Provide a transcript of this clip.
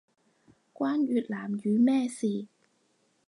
關越南語咩事